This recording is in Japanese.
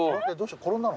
転んだの？